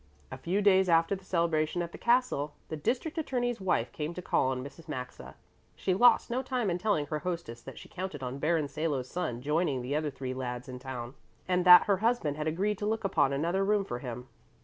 A few days after the celebration at the castle the district attorney's wife came to call on Mrs. Maxa. She lost no time in telling her hostess that she counted on Baron Salo's son joining the other three lads in town and that her husband had agreed to look up another room for him.